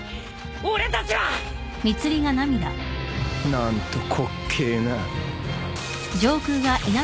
何と滑稽な。